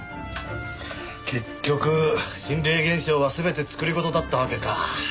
結局心霊現象は全て作り事だったわけか。